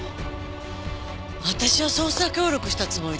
私は捜査協力したつもりだったけど。